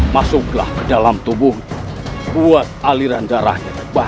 masuklah ke dalam tubuh buat aliran darahnya